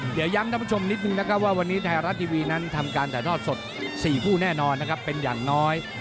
เดี๋ยวย้ำท่านผู้ชมนิดนึงนะครับว่าวันนี้ไทยรัฐทีวีนั้นทำการถ่ายทอดสด๔คู่แน่นอนนะครับเป็นอย่างน้อย